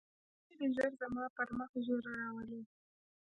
چې خداى دې ژر زما پر مخ ږيره راولي.